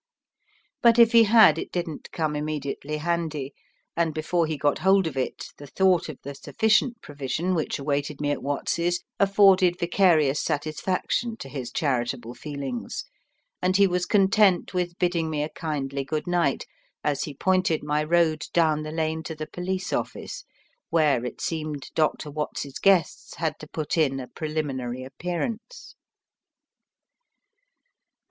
But if he had, it didn't come immediately handy, and before he got hold of it the thought of the sufficient provision which awaited me at Watts's afforded vicarious satisfaction to his charitable feelings, and he was content with bidding me a kindly good night, as he pointed my road down the lane to the police office, where, it seemed, Dr. Watts's guests had to put in a preliminary appearance.